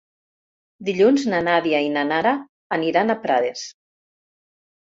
Dilluns na Nàdia i na Nara aniran a Prades.